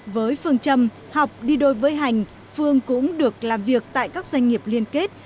với phương châm học đi đôi với hành phương cũng được làm việc tại các doanh nghiệp liên kết